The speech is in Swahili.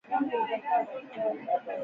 Simu iko na chukuwa watu muda